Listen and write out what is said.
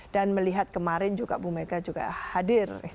dan melihat kemarin juga bumega juga hadir